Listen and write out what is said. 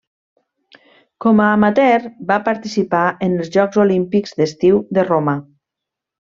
Com a amateur va participar en els Jocs Olímpics d'estiu de Roma.